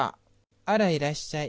あらいらっしゃい。